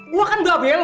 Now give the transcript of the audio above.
gua kan ga belok